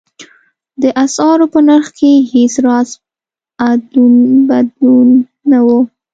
د اسعارو په نرخ کې هېڅ راز ادلون بدلون نه و.